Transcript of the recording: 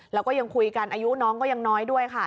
แล้วก็ยังคุยกันอายุน้องก็ยังน้อยด้วยค่ะ